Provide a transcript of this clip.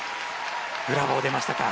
ブラボー出ましたか？